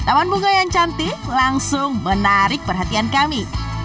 taman bunga yang cantik langsung menarik perhatian kami